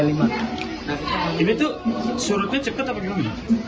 ini tuh surutnya cepet apa gimana